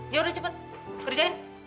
ya udah cepet kerjain